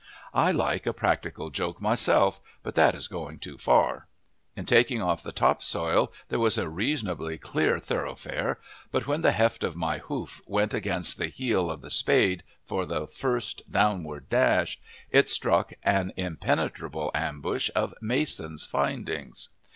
I like a practical joke myself, but that is going too far. In taking off the top soil there was a reasonably clear thoroughfare, but when the heft of my hoof went against the heel of the spade for the first downward dash, it struck an impenetrable ambush of mason's findings.